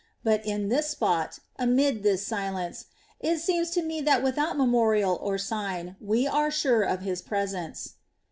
But in this spot, amid this silence, it seems to me that without memorial or sign we are sure of His presence."